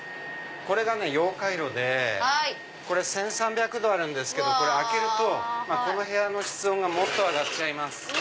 これが溶解炉で１３００℃あるんですけど開けるとこの部屋の室温がもっと上がっちゃいます。